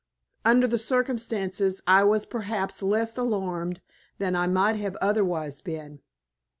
Under the circumstances I was perhaps less alarmed than I might have otherwise been.